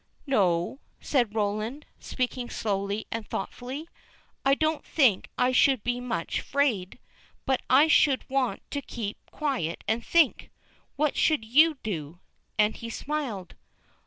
"N o," said Roland, speaking slowly and thoughtfully, "I don't think I should be much afraid, but I should want to keep quiet and think. What should you do?" and he smiled.